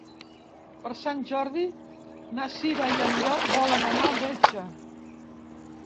Per Sant Jordi na Cira i en Llop volen anar al metge.